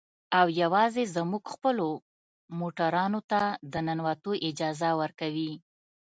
او يوازې زموږ خپلو موټرانو ته د ننوتو اجازه ورکوي.